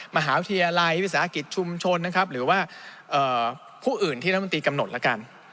มหาวิทยาลัยวิสาหกิจชุมชนนะครับหรือว่าผู้อื่นที่รัฐมนตรีกำหนดแล้วกัน